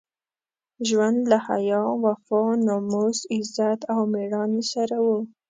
ژوند له حیا، وفا، ناموس، عزت او مېړانې سره وو.